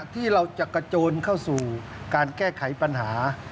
ที่เราจะกระโจนเข้าสู่การแก้ไขปัญหา